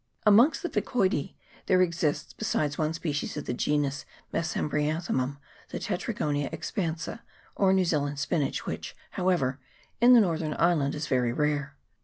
Amongst the Ficoidece there exists, besides one species of the genus Mesembryanthemum, the Tetragonia expansa, or New Zealand spinach, which, however, in the northern island is very rare.